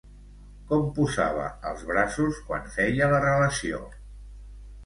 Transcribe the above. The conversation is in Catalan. Com posava els braços quan feia la relació?